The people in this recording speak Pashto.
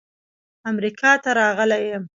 امریکا ته راغلی یم.